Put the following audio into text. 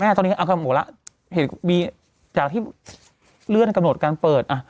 ตอนนี้เอากันหมดแล้วเหตุมีจากที่เลื่อนกำหนดการเปิด